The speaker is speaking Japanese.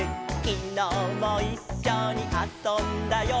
「きのうもいっしょにあそんだよ」